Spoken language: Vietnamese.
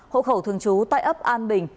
hộ khẩu thường trú tại ấp an bình